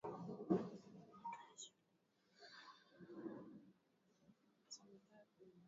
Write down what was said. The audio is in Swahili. utengenezaji na ongezaji wa baadhi